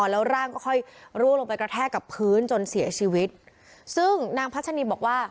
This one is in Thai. แล้วร่างก็ค่อยร่วงลงไปกระแทกกับพื้นจนเสียชีวิตซึ่งนางพัชนีบอกว่า